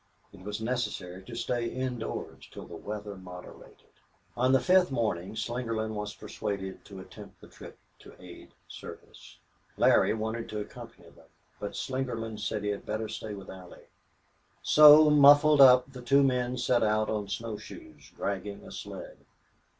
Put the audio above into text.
It was necessary to stay indoors till the weather moderated. On the fifth morning Slingerland was persuaded to attempt the trip to aid Service. Larry wanted to accompany them, but Slingerland said he had better stay with Allie. So, muffled up, the two men set out on snow shoes, dragging a sled.